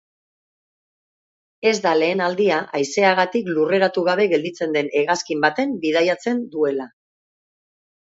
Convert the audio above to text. Ez da lehen aldia haizeagatik lurreratu gabe gelditzen den hegazkin baten bidatzen duela.